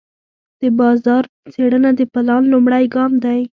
د بازار څېړنه د پلان لومړی ګام دی.